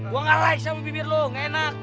gue gak like sama bibir lo gak enak